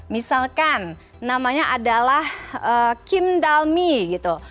misalkan namanya adalah kim dalmi gitu